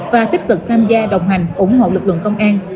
và tích cực tham gia đồng hành ủng hộ lực lượng công an